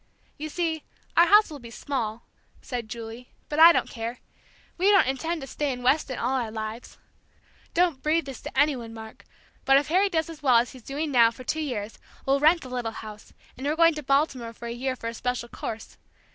"You see, our house will be small," said Julie; "but I don't care we don't intend to stay in Weston all our lives. Don't breathe this to any one, Mark, but if Harry does as well as he's doing now for two years, we'll rent the little house, and we're going to Baltimore for a year for a special course.